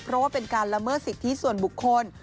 เพราะว่าเป็นการละเมิดสิทธิส่วนบุคคล